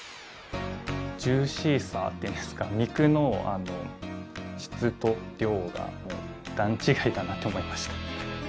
ジューシーさっていうんですか肉の質と量が段違いだなって思いました。